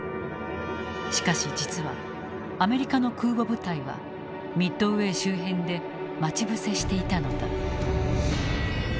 しかし実はアメリカの空母部隊はミッドウェー周辺で待ち伏せしていたのだ。